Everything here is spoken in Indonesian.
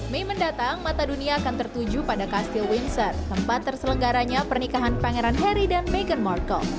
mei mendatang mata dunia akan tertuju pada kastil windsor tempat terselenggaranya pernikahan pangeran harry dan meghan markle